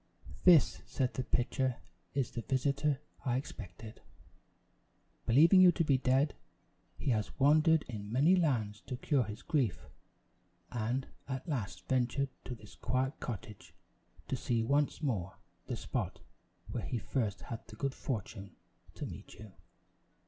"This," said the pitcher, "is the visitor I expected. Believing you to be dead, he has wandered in many lands to cure his grief; and at last ventured to this quiet cottage to see once more the spot where he first had the good fortune to meet you.